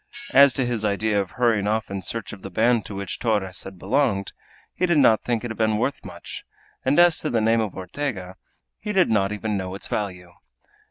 As to his idea of hurrying off in search of the band to which Torres had belonged, he did not think it had been worth much, and as to the name of Ortega, he did not even know its value.